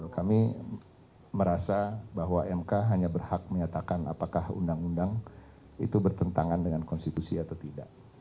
kami merasa bahwa mk hanya berhak menyatakan apakah undang undang itu bertentangan dengan konstitusi atau tidak